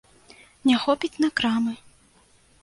Не хопіць на крамы.